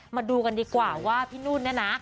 มาดูกันดีกว่าว่าพี่นุ่นเนี่ยนะ